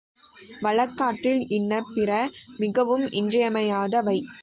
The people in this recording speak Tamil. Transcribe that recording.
வழக்காற்றில் இன்ன பிற மிகவும் இன்றியமையாதவை.